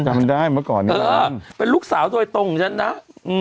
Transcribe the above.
จำได้มั้ยก่อนเธอเป็นลูกสาวตัวตรงอย่างฉันนะ